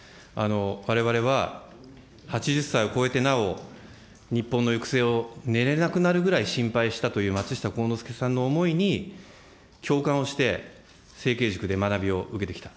われわれは８０歳を超えてなお、日本の行く末を練れなくなるぐらい心配したという松下幸之助さんの思いに共感をして、政経塾で学びを受けてきた。